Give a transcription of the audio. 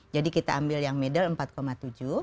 jadi kita ambil yang middle rp empat tujuh triliun